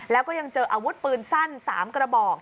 แล้วก็ยังเจออาวุธปืนสั้น๓กระบอก